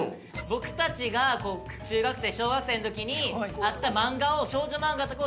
僕たちが中学生小学生の時にあった漫画を。